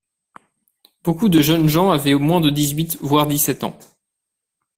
Beaucoup de jeunes gens avaient moins de dix-huit, voire dix-sept ans.